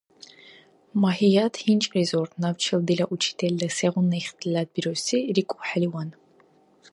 Магьият гъинчӀризур, набчил дила учительла сегъуна ихтилат бируси рикӀухӀеливан.